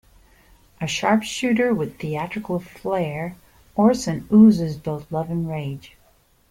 A sharpshooter with theatrical flair, Olson oozes both love and rage.